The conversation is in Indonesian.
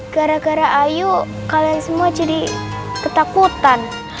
gara gara ayu kalian semua jadi ketakutan